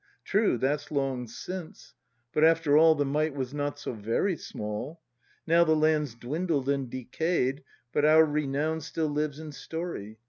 True, that's long since; but, after all. The mite was not so very small. Now the land's dwindled and decay 'd. But our renown still lives in story.